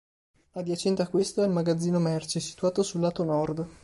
Adiacente a questo è il magazzino merci, situato sul lato nord.